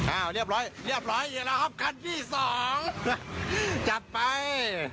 อ้าวเรียบร้อยเรียบร้อยแล้วครับคันที่สองจับไป